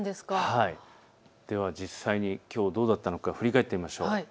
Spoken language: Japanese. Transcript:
では実際にきょうどうだったのか振り返ってみましょう。